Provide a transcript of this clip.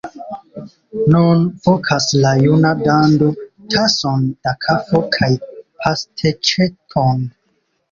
Nun vokas la juna dando: tason da kafo kaj pasteĉeton!